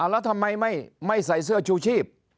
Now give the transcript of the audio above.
แล้วทำไมไม่ใส่เสื้อชูชีพ